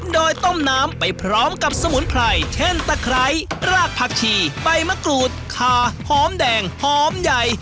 โดยต้มน้ำไปพร้อมกับสมุนไพรเช่นตะไคร้รากผักชีใบมะกรูดคาหอมแดงหอมใหญ่